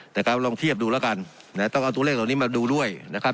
นะครับลองเทียบดูแล้วกันนะต้องเอาตัวเลขเหล่านี้มาดูด้วยนะครับ